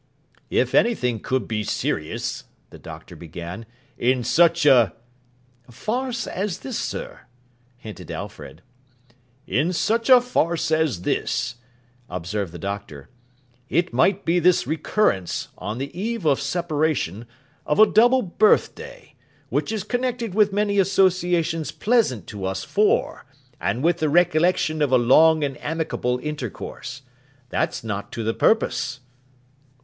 'If anything could be serious,' the Doctor began, 'in such a—' 'Farce as this, sir,' hinted Alfred. 'In such a farce as this,' observed the Doctor, 'it might be this recurrence, on the eve of separation, of a double birth day, which is connected with many associations pleasant to us four, and with the recollection of a long and amicable intercourse. That's not to the purpose.